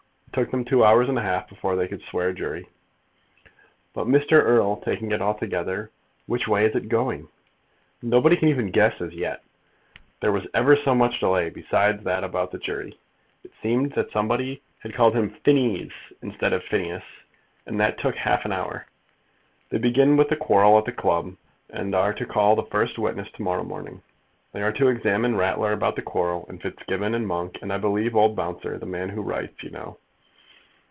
It took them two hours and a half before they could swear a jury." "But, Mr. Erle, taking it altogether, which way is it going?" "Nobody can even guess as yet. There was ever so much delay besides that about the jury. It seemed that somebody had called him Phinees instead of Phineas, and that took half an hour. They begin with the quarrel at the club, and are to call the first witness to morrow morning. They are to examine Ratler about the quarrel, and Fitzgibbon, and Monk, and, I believe, old Bouncer, the man who writes, you know.